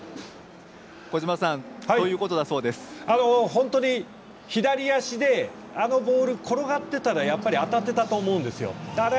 本当に左足であのボールが転がってたらやっぱり当たってたと思うんですよ。